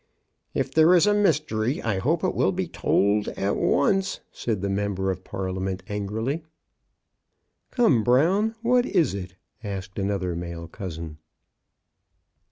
*' If there is a mystery, I hope it will be told at once," said the member of Parliament angrily. " Come, Brown, what is it?" asked another male cousin.